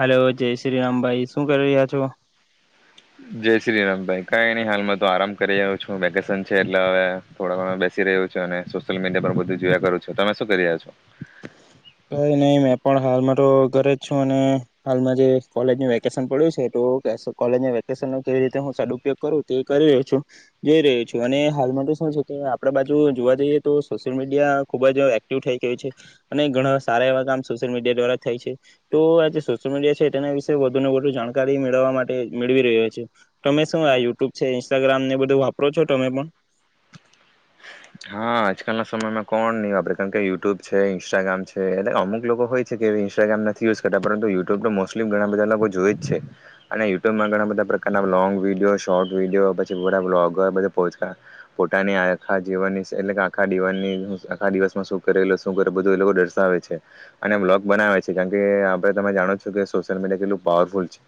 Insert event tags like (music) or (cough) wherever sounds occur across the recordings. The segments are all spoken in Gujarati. હલો જય શ્રીરામ ભાઈ શું કરી રહ્યા છો. જય શ્રીરામ ભાઈ કઈ ન હાલમાં તો આરામ કરી રહ્યો છું વેકેશન છે એટલે હવે થોડા બેસી રહ્યો છું અને સોશિયલ મીડિયા પર બધું જોયા કરું છું તમે શું કરી રહ્યા છો? કઈ નહી મેં પણ હાલ મા તો ઘરે જ છું અને હાલમાં જે કોલેજનું વેકેશન પડ્યું છે તો કોલેજ વેકેશન કેવી રીતે હું સદઉપયોગ કરું તે કરી રહ્યો છું. જોઈ રહ્યો છું અને હાલમાં શું છે કે આપડા બાજુ જોવા જઈએ તો સોશિયલ મીડિયા ખુબ જ એક્ટિવ થઈ ગયું છે અને ઘણા સારા એવા કામ સોશિયલ મીડિયા દ્વારા થાય છે. તો આ સોલ મીડિયા છે તેના વિષે વધુને વધુ જાણકારી મેળવવા માટે મેળવી રહ્યો છે. તમે શું આ યુટ્યુબ છે ઇન્સ્ટાગ્રામને બધું વાપરો છો તમે પણ હા આજકાલના સમયમાં કોણ નહીં વાપરે, કારણ કે યુટ્યુબ છે ઇન્સ્ટાગ્રામ છે એ અમુક લોકો હોય છે કે ઇન્સ્ટાગ્રામ નથી યુઝ કરતા પરુ યુટ્યુબ તો મોસ્ટલી ઘણા બધા લોકો જોઈ જ છે. અને યુટ્યુબમાં ઘણા બધા પ્રકારના લોંગ વિડીિયો શોર્ટ વિડીિયો પછી બધા બ્લોગર બધ પોચ પોતાની આખા જીવનની એટલે આખા દીવાન ની દિવસ આખા દિવસમાં શું કરે શું કરે બધું એ લોકો દર્શાવે છે. અને બ્લોગ બનાવે છે. કારણ કે આપે તમે જાણો છો કે સોશિયલ મીડિયા કેટલું પાવરફુલ છે.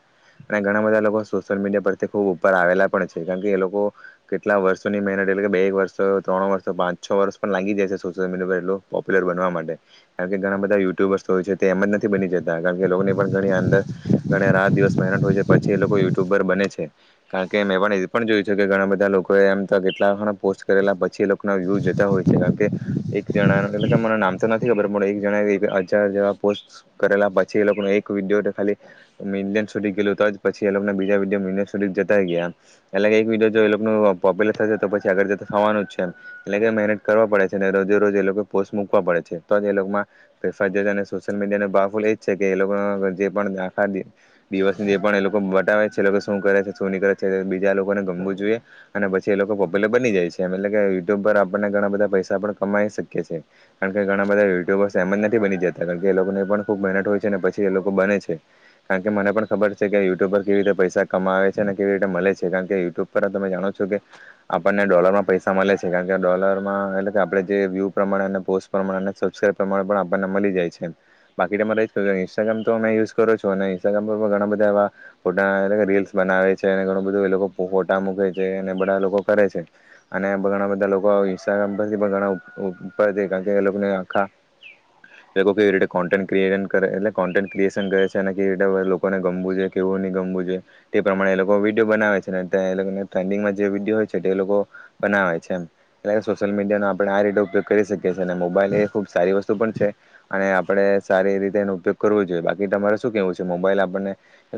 અને ઘણા બધા લોકો સોશિયલ મીડિયા પરથી ખૂબ ઉપર આવેલા પણ છે કારણ કે એ લોકો કેટલા વર્ષોની મહેનત એટ કે બે એક વર્ષ ત્રણ વર્ષ પાંચ છ વર્ષ પણ લાગી જાય છે સોશિયલ મીડિયા એ પોપ્યુલર બનવા માટે. કારણ કે ઘણા બધા યુટ્યુબર્સ હોય છે તે એમ જ નથી બની જતા. કારણ કે એ લોકો પણ ઘણી અંદર ઘણા રાત દિવસ મહેનત હોય છે પછી એ લોકો યુટ્યુબર બને છે કારણ કે મે પણ એ પણ જોયું છે કે ઘણા બધા લોકો એમ તો કેટલા પોસ્ટ કરેલા પછી વિયુંજ જતા હોય છે કારણ કે એક જણાણા મતલબ મને નામ તો નથી ખબર પણ એક જણાએ હજાર જેવા પોસ્ટ કરેલા, પછી એ લોકો એક વિડીયો ખાલી મિલિયન્સ સુધી ગેલું તો જ પછી એલોકના બીજા વિડિઓ મિનિટ સુધી જતા ગયા એટલે કે એક વિડીયો જો એલોકોનો પોપ્યુલર થાય તો પછી આગળ જતા થવાના જ. એટલે કે મહેનત કરવા પડે છે અને રોજે રોજ એ લોકો પોસ્ટ મૂકવા પડે છે તો જ એ લોકોમાં ફેફ છે અને સોશિયલ મીડિયાને બાહફુલ એ જ છે કે એ લોકો જે આખા દિવસની જે એ લોકો બતાવે છે લોકો શું કરે છે શું ની કરે છે બીજા લોકોને ગમવું જોઈએ અને પછી એ લોકો પોપ્યુલર બની જાય છે એ યુટ્યુબ પર આપણને ઘણા બધા પૈસા પણ કમાઈ શકીએીએ કારણ કે ઘણા બધા યુટ્યુબર્સ એમ જ નથી બની જતા કારણ કે એ લોકોને પણ ખુબ મહેનત હોય છે ને પછી એ લોકો બને છે કારણ કે મને પણ ખબર છે કે યુટ્યુબ પર કેવી રીતે પૈસા કમાવે છે અનેને કેવી રીતે મળે છે કારણ કે યુટ્યુબ પર તમે જાણો છો કે આપણને ડોલરમાં પૈસા મળે છે કારણ કે ડોલરમાં એટલે કે આપણે જે વ્યૂ પ્રમાણે અને પોસ્ટ પ્રમાણે અને સબસ્ક્રાઈબ પ્રમાણે પણ આપણને મળી જાય છે બાકી રહી જ ઇન્સ્ટાગ્રામ તોમે યુઝ કરો છો અને ઇન્સ્ટાગ્રામ પર ઘણા બધા એવા ફોટા એ રીલ્સ બનાવે છે અને ઘણું બધું એ લોકો ફોટા મૂકે છે અને બધા લોકો કરે છે. અને ઘણા બધા લોકો ઇન્સ્ટાગ્રામ પર ઘણા કારણકે ઈ લોકો આખા એ લોકો કેવી રીતે કોન્ટે ક્ર કરે એ કોન્ટ ક્રેએટે કરે છે અનેવી રીતે લોકોને ગમવું જોઈ કેવું નહી ગમવું જોઈ તે પ્રમાણે એ લોકો વિડીયો બનાવે છે તે લોકો ટન્ડંગ જે વિડયો હોય છે તે લોકો બનાવે છે એમ એટલે કે સોશિયલ મીડિયા નો આપણે આ રીતે ઉપયોગ કરી શકીએ ને મોબાઈલ એ ખુબ સારી વસ્તુ પણ છે અને આપણે સારી રીતે એનો ઉપયોગ કરવો જોઈએ બાકી તમારે શું કેવું છે મોબાઈલ આપણને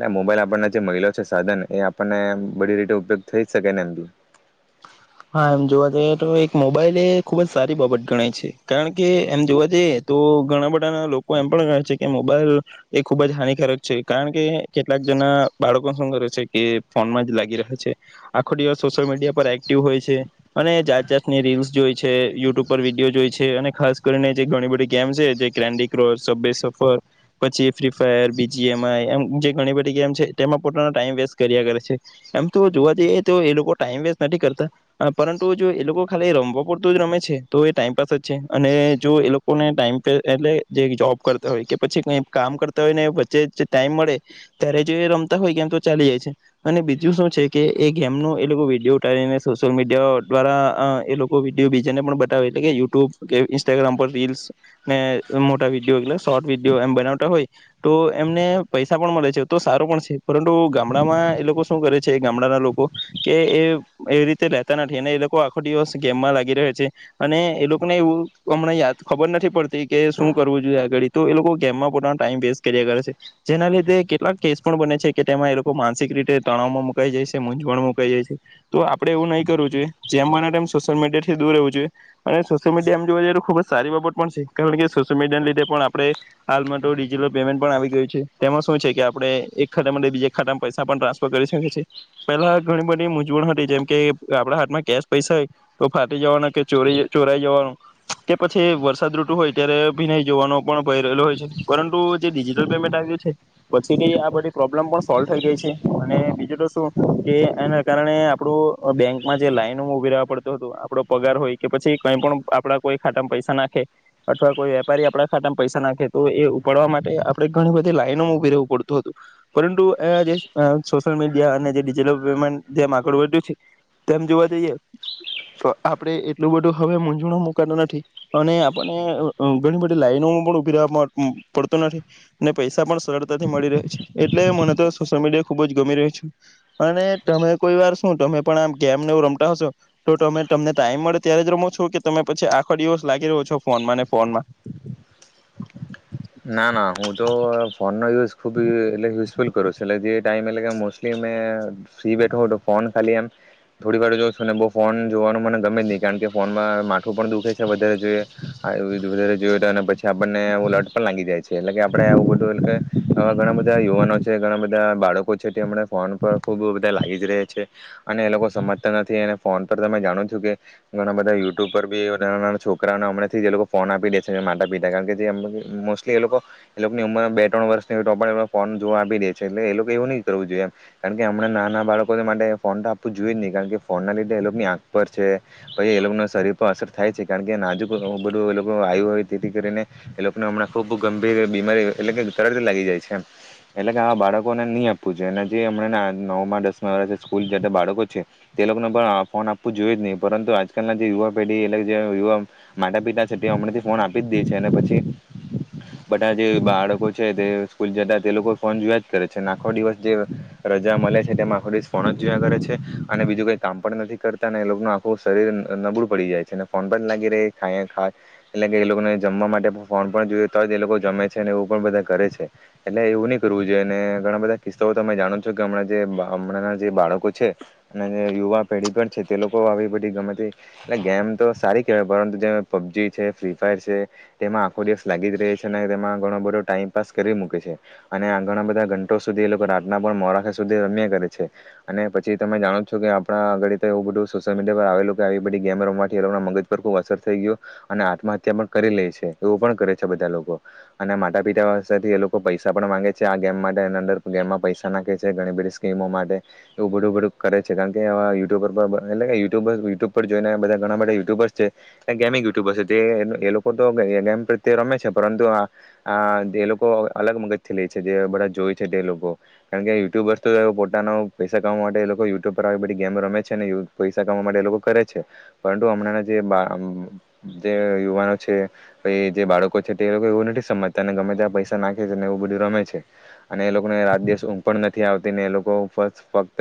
એ મોબાઈલ આપણ જે મળીયો છે સાધન એ આપણને બધી રીતે ઉપયોગ થઈ જ શકે ને એમ હા, એમ જોવા જઈએ તો એક મોબાઈલ એ ખુબ જ સારી બાબત ગણાય છે કારણ કે એમ જોવા જઈએ તો ઘણા બધા ના લોકો એમ પણ છે કે મોબાઈલ એ ખુબ જ હાનિકારક છે કારણ કે કેટલાક જણા બાળકો શું કરે છે કે ફોન માં જ લાગી રહ્યા છે આખો દિવસ સોશિયલ મીડિયા પર એક્ટિવ હોય છે અને જાત ચાતની રીલ્સ જોય છે. યુટ્યુબ પર વિડીયો જોઈ છે. અને ખાસ કરીને જે ઘણી બધી ગેમ છે જે કન્ડી ક્રોશ, સબવે સફર પછી ફ્રી ફાયર બીજી એમ આઈ એમ જે ઘણી બધી ગેમ છે તેમાં પોતાનો ટાઈમ વેસ્ટ કર્યા કરે છે એમ તો જોવા જઈએ તો એ લોકો ટાઈમ વેસ્ટ નથી કરતા પરંતુ જો એ લોકો ખાલી રમવો પડતો જ રમે છે તો એ ટાઈમપાસ જ છે અને જો એ લોકોને ટાઈમ એટલે જે જોબ કરતા હોય કે પછી કઈ કામ કરતા હોય ને વચ્ચે ટાઈમ મળે ત્યારે જો એ રમતા હોય કેમ તો ચાલી જાય છે અને બીજું શું છે કે એ ગેમ ન એ લોકો વિડીયો ઉતારી ને - સોશિયલ મીડિયા દ્વારા એ લોકો વિડીયો બીજાને પણ બતાવે એટલે કે યુટ્યુબ કે ઇન્સ્ટાગ્રામ પર રીલ્સ ને મોટા વિડીયો એટ શોર્ટ વિડીયો એમ બનાવતા હોય તો એમને પૈસા પણ મળે છે તો સારો પણ છે પરંતુ ગામડામાં એ લોકો શું કરે છે ગામડાના લોકો કે એ રી તે લેતા નથી અને એ લોકો આખો દિવસ ગેમમાં લાગી રહે છે અને એ લોકોને એવું હમણા યાદ ખબર નથી પડતી કે શું કરવું જોઈએ આગળ તો એ લોકો ગેમમાં પોતાનો ટાઈમ વેસ્ટ કર્યા કરે છે જેના લીધે કેટલાક કેસ પણ બને છે કે તેમાં એ લોકો માનસિક રીતે તણાવમાં મુકાઈ જાય છે મૂઝવણ મુકાઈ જાય છે તો આપણે એવું નહીં કરવ જોએ જેમ બને તેમ સોશિયલ મીડિયાથી દૂર રહેવું જોઈએ અને સોશિયલ મીડિયા એમ જોવા જઈએ તો ખુબ જ સારી બાબત પણ છે કારણ કે સોશિયલ મીડિયાને લીધે પણ આપણેે હાલમાં તો ડિજિટલ પેમેન્ટ પણ આવી ગયું છે તેમાં શું છે કે આપણે એક ખાતા માટે બીજા એક ખાતામાં પૈસા પણ ટ્રાન્સફર કરી શકી છી પેલા ઘણી બધી મૂંજવણ હતી જેમ કે આપણા હાથમાં કેશ પૈસા હોય તો ફાટી જવાના કે ચોરી ચોરાઈ જવાનું કે પછી વરસાદ ઋતુ હોય ત્યારે ભીનાય જવાનો પણ ભય રહેલો હોય છે પરંતુ જે ડિજિટલ પેમેન્ટ આવ્યું છે પછીની આ બધી પ્રોબ્લેમ પણ સોલ્વ થઈ ગઈ છે અને બીજું તો શું કે એના કારણે આપણું બેંકમાં જે લાઈનોમાં ઉભી રહેવા પડતો હતો આપડો પગાર હોય કે પછી કઈ પણ આપડા કોઈ ખાતામાં પૈસા નાખે અથવા કોઈ વેપારી આપણા ખાતામાં પૈસા નાખે તો એ ઉપાડવા માટે આપણે ઘણી બધી લાઈનોમાં ઉભી રહેવું પડતું હતું પરંતુ જે સોશિયલ મીડિયા અને ડિજિટલ પેમેન્ટ જેમ આગળ વધ્યું છે તેમ જોવા જઈએ તો આપણે એટલું બધું હવે મૂઝણું મુકાતો નથી અને આપને ઘણી બધી લાઈનો પણ ઉભી પડતો નથી અને પૈસા પણ સરળતાથી મળી રહે છે એટલે મને તો સોશિયલ મીડિયા ખુબ જ ગમી રહ્યું છે અને તમે કોઈ વાર શું તમે પણ આમ ગેમને એ રમતા હશો તો તમે તમને ટાઈમ મળે ત્યારે જ રમો છો કે તમે પછી આખો દિવસ લાગી રહ્યો છો ફોનમાં ને ફોનમાં. ના ના હું તો. (unintelligible) (unintelligible) મોસંટલી ફ્રી બેઠ ફોન ખાલી એમ થોડી વાર ને બ ફોન જોવાનું મને ગમે જ નહી કારણ કે ફોનમાં માથું પણ દુખે છે વધારે જો (unintelligible) વધજો પછી આપણને પણ લાગી જાય છે એટલે કે આપડે આવું બધું એન કે ઘણા બધા યુવાનો છે ઘણા બધા બાળકો છે તે હમણાં ફોન પર ખૂબ બધા લાગી જ રહે છે અને એ લોકો સમજતા નથી અને ફોન પર તમે જાણો છો કે ઘણા બધા યુટ્યુબ પર બી નાના નાના છોકરાઓને હમણાંથી જે એ લોકો ફોન આપી દે છે માતા પિતા કારણ કે જેમ મોસ્ટલી એ લોકો એ લોકોની ઉંમર બે ત્રણ વર્ષની હોય તો પણ એ ફોન જોવા આપી દે છે એટલે એ લોકો એવું નહી કરવું જોઈએ કારણ કે હમણા નાના બાળકોને માટે ફોન તો આપવું જોઈએ જ નહી કારણ કે ફોનના લીધે એ લોકોની આંખ પર છે પછી એ લોકોને શરીર પર અસર થાય છે કારણ કે નાજુક બધું એ લોકો આવ્યું હોય તેથી કરીને ઈ લોકો હમણાં ખૂબ ગંભીર બીમારી એટલે કે તરત લાગી જાય છે એટલે કે આ બાળકોને નહીં આપવું જોઈએ અનેને જે હમ નવમાં દસ વષ સ્કૂલ જે બાળકો છે તે લોકોને પણ ફોન આપવું જોઈએ જ નહીં પરંતુ આજકાલના જે યુવા પેઢી એટલે જે યુવા માતા પિતા છે તે હમણાં થી ફોન આપી જ દે છે અને પછી બધા જે બાળકો છે તે સ્કૂલ જતા તે લોકો ફોન જોયા જ કરે છે આખો દિવસ જે રજા મળે છે તેમાં આખો દિવસ ફોન જ જોયા કરે છે અને બીજું કઈ કામ પણ નથી કરતા ને એ લોકોનું આખું શરીર નબુું પડી જાય છે ફોન પણ લાગી ર ખાય એટ કે એ લોકોને જમવા માટે ફોન પણ જોઈએ તો એ લોકો જમે છે અનેને એવું પણ બધા કરે છે એટલે એવું નહી કરવું જોઈએ અને ઘણા બધા કિસ્સાઓ તો તમે જાણો છો કે હમણાં જે હમણાં જે બાળકો છે અને જે યુવા પેઢી પણ છે તે લોકો આવી બધી ગમેતી એટલે ગેમ તો સારી કેહેવાય પરંતુ જે પબજી છે ફ્રી ફાયર છે તેમાં આખો દિવસ લાગી જ રહે છે અને તેમાં ઘણો બધો ટાઈમપાસ કરી મૂકે છે અને આ ઘણા બધા ઘંટો સુધી એ લોકો રાતના પણ મોરાખા સુધી રમ્યા કરે છે અને પછી તમે જાણો છો કે આપણા આગળ તો એવું બધું સોશિયલ મીડિયા પર લોકો આવી બધી ગેમ રમવાથી એ લોકોના મગજ પર ખૂબ અસર થઈ ગયો અને આત્મહત્યા પણ કરી લે છે એવું પણ કરે છે બધા લોકો અને માતા પિતાથી એ લોકો પૈસા પણ માંગે છે આ ગેમ માટે એના અંદર ગેમમાં પૈસા નાખે છે ઘણી બધી સ્કીમો માટે એવું બધું બધું કરે છે કારણ કે આ યુટ્યુબર પર એટલે કે યુટ્યુબ યુટ્યુબ પર જોઈને બધા ઘણા બધા યુટ્યુબર્સ છે એ ગેમિંગયુટ્યુબર્સ છે તે એ લોકો તો ર છે પરંતુ એ લોકો અલગ મગજ થી લે છે જે બધા જોય છે તે લોકો કારણ કે યુટ્યુબર્સ તો પોતાનો પૈસા કામવા માટે લોકો યુટ્યુબ પર આવી બધી ગેમ રમે છે પૈસા કામવા માટે એ લોકો કરે છે પરંતુ હમણાં જે બા યુવાનો છે પ એ જે બાળકો છે તે એ લોકો એવું નથી સમજતા ગમે તે્યા પૈસા નાખે છે ને એવું બધું રમે છે અને એ લોકોને રાત દિવસ ઊંઘ પણ નથી આવતી ને એ લોકો ફક્ત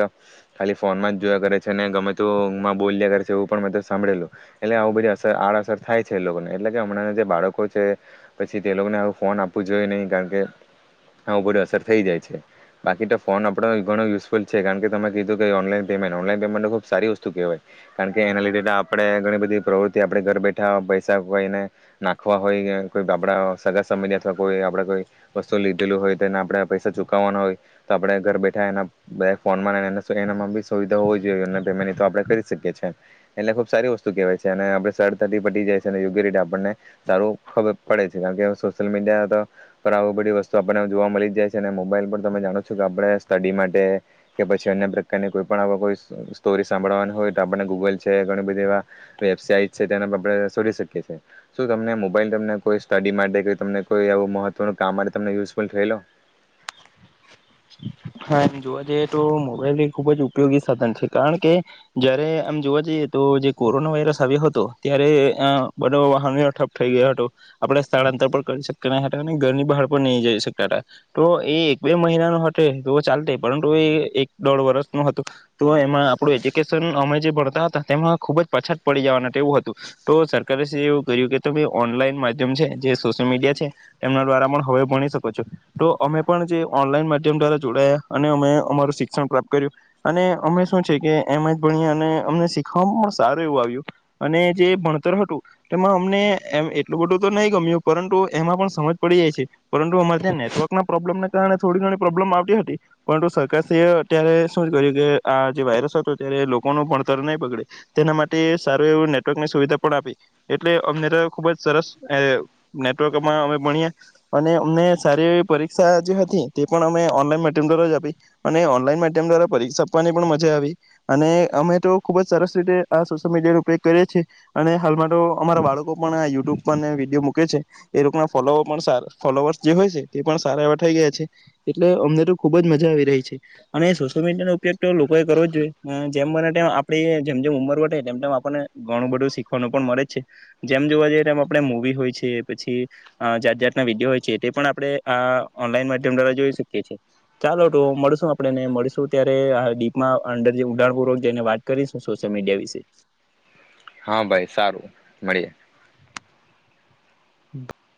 ખાલી ફોનમાં જ જોયા કરે છે ને ગમે તેું ઊંમાં બોલ્યા કરે છે એવું પણ મું સાંભળેલું એટલે આવું બધી અસર આડઅસર થાય છે એ લોકોને એટલે કે હમણાં ના જે બાળકો છે પછી તે લોકોને આવું ફોન આપવું જોઈએ નહી કારણ કે આવું બધુ અસર થઈ જાય છે બાકી તો ફોન આપણો ઘણો યુઝફુલ છે કારણ કે તમે કીધું કે ઓનલાઈન પેમેન્ટ ઓનલાઈન પેમેન્ટ ખુબ સારી વસ્તુ કેહેવાય કારણ કે એના લીધે આપે ઘણી બધી પ્રવૃતિ આપણે ઘર બેઠા પૈસા કોઈને નાખ લખવા હોય કે કોઈ આપણા સગા સમયની અથવા કોઈ આપણે કોઈ વસ્તુ લીધેલું હોય તેને આપણે પૈસા ચૂકવવાના હોય તો આપડે ઘર બેઠા એના બે ફોન માં એના બી સુવિધા હોવી જોએ એ પેમેન્ટ તો આપડણે કરી શકીએ છીએ એટલે ખુબ સારી વસ્તુ કહેવા છે અને આપણે સરળતાથી પટી જાય છે અને યોગ્ય રીતે આપણને સારું ખબર પડે છે કારણ કે સોશિયલ મીડિયા આવી બધી વસ્તુ આપણને જોવા મળી જાય છે અને મોબાઈલ પર તમે જાણો છો કે આપણે સ્ટડી માટે કે પછી અન્ય પ્રકારની કોઈ પણ કોઈ સ્ટોરી સાંભળવાની હોય તો આપને ગૂગલ છે ઘણી બધી એવા વેબસાઇટ છે તેને આપણે શોધી શકીએ છીએ શું તમને મોબાઈલ તમને કોઈ સ્ટડી માટે તમને કોઈ અવું મહત્વનું કામ માટે તમને યુઝફુલ થય લો હા એમ જોવા જઈએ તો મોબાઈલ એ ખુબ જ ઉપયોગી સાધન છે કારણ કે જયારે આમ જોવા જઈએ તો જે કોરોના વાયરસ આવ્યો હતો ત્યારે બધો વાહનો ઠપ થઈ ગયા હતો આપણે સ્થળાંતર પણ કરી શકતા ન હતા અને ઘરની બહાર પણ નહી જઈ શક હતા તો એ એક બે મહિનાનો હતો તો ચાલ પરંતુ એ એક દોઢ વર્ષ ન હતું તો એમાં આપણું એજ્યુકેશન અમે જે ભણતા હતા તેમાં ખુબ જ પાછાત પડી જવાના એવું હતું તો સરકારે એવું કર્યું કે તમે ઓનલાઈન માધ્યમ છે જે સોશિયલ મીડિયા છે એમના દ્વારા પણ હવે ભણી શકો છો તો અમે પણ જે ઓનલાઈન માધ્યમ દ્વા જોડાયા અને અમે અમારું શિક્ષણ પ્રાપ્ત કર્યું અને અમે શું છે કે એમ જ ભણીએ અને અમને શીખવામાં પણ સારું એવું આવ્યું અને જે ભણતર હતું તેમાં અમને એમ એટલું બધું તો નહી ગમ્યું પરંતુ એમાં પણ સમજ પડી જાય છે પરંતુ અમારે ત્યાં નેટવર્કના પ્રોબ્લેમને કારણે થોડી પ્રોબ્લેમ આવતી હતી પરંતુ સરકાર અત્યારે શું જ કર્યું કે આ જે વાયરસ હતો ત્યારે લોકોનું ભણતર નહી પગડે તેના માટે સારું એવું નેટવર્કની સુવિધા પણ આપી એટલે અમને તો ખૂબ જ સરસ નેટવર્કમાં અમે ભણ્યા અને અમને સારી એવી પરીક્ષા જે હતી તે પણ અમે ઓનલાઈન મા્યમ દ્વારા જ આપી અને ઓનલાઈન માધ્યમ દ્વારા પરીક્ષા આપવાની પણ મજા આવી અને અમે તો ખુબ જ સરસ રીતે આ સોશિયલ મીડિયા ઉપયોગ કરીએ છીએ અને હાલમાં તો અમારા બાળકો પણ યુટ્યુબ પર વિડીયો મૂકે છે એ લોકોના ફોલો પણ ફોલોવર્ જે હોય છે તે પણ સારા એવા થઈ ગયા છે એટલે અમને તો ખુબ જ મજા આવી રહી છે અને સોશિયલ મીડિયાનો ઉપયોગ તો લોકો એ કરવો જ જોઈએ જેમ મને આપણે જેમ જેમ ઉંમર વ તેમ તેમ આપણને ઘણું બધું શીખવાનું પણ મળે જ છે જેમ જોવા જઈએ તેમ આપણે મવી હોય છે પછી જાત જાતના વિડીયો હોય છે તે પણ આપણે ઓનલાઈન માધ્યમ દ્વારા જોઈ શકીએ ચાલો તો મળશું આપને મળીશું ત્યારેડીપમાં અંદર જે ઊડાણપૂર્વક છેને વાત કરીશું સોશિયલ મીડિયા વિશે હા ભાઈ સારું મળીએ હમ